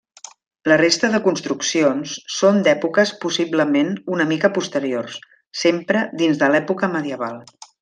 La resta de construccions són d'èpoques possiblement una mica posteriors, sempre dins de l'època medieval.